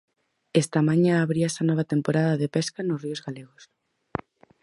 Esta mañá abríase a nova temporada de pesca nos ríos galegos.